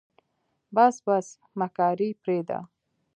بس بس مکاري پرېده.